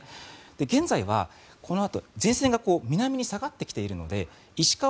現在はこのあと前線が南に下がってきているので石川、